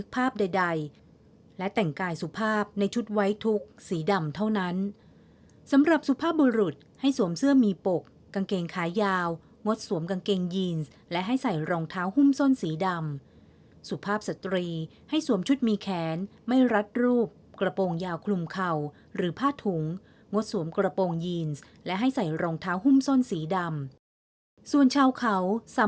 ใดและแต่งกายสุภาพในชุดไว้ทุกข์สีดำเท่านั้นสำหรับสุภาพบุรุษให้สวมเสื้อมีปกกางเกงขายาวงดสวมกางเกงยีนและให้ใส่รองเท้าหุ้มส้นสีดำสุภาพสตรีให้สวมชุดมีแขนไม่รัดรูปกระโปรงยาวคลุมเข่าหรือผ้าถุงงดสวมกระโปรงยีนและให้ใส่รองเท้าหุ้มส้นสีดำส่วนชาวเขาส